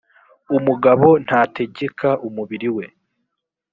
umugabo ntategeka umubiri we